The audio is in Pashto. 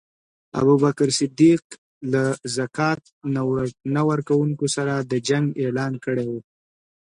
ابوبکر صدیق له ذکات نه ورکونکو سره د جنګ اعلان کړی وو.